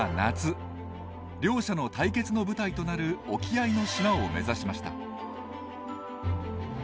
両者の対決の舞台となる沖合の島を目指しました。